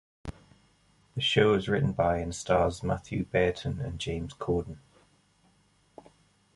The show was written by, and stars, Mathew Baynton and James Corden.